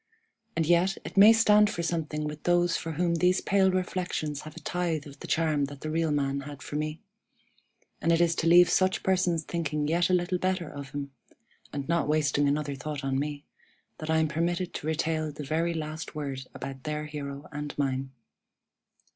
And yet, it may stand for something with those for whom these pale reflections have a tithe of the charm that the real man had for me; and it is to leave such persons thinking yet a little better of him (and not wasting another thought on me) that I am permitted to retail the very last word about their hero and mine.